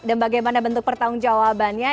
dan bagaimana bentuk pertanggung jawabannya